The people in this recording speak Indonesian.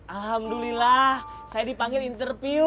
alhamdulillah saya dipanggil interview